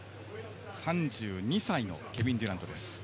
３２歳のケビン・デュラントです。